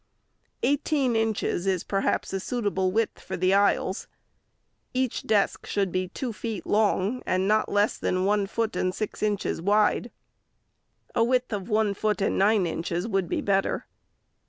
Eighteen inches is, perhaps, a suitable width for the aisles. ON SCHOOLHOUSES. 455 Each desk should be two feet long, and not less than one foot and six inches wide. A width of one foot and nine inches would be better.